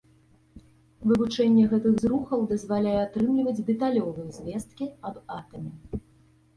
Вывучэнне гэтых зрухаў дазваляе атрымліваць дэталёвыя звесткі аб атаме.